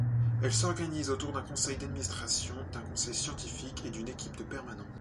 Elle s’organise autour d’un conseil d’administration, d’un conseil scientifique et d’une équipe de permanents.